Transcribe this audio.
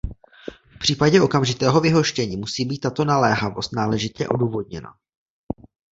V případě okamžitého vyhoštění musí být tato naléhavost náležitě odůvodněná.